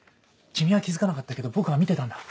君は気付かなかったけど僕は見てたんだ。